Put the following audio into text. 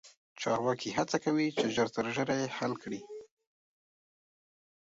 چارواکي هڅه کوي چې ژر تر ژره یې حل کړي.